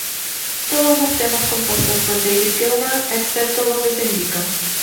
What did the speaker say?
Todos los temas compuestos por David Gilmour, excepto donde se indica.